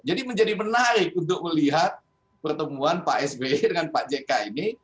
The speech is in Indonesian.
jadi menjadi menarik untuk melihat pertemuan pak s b dengan pak j k ini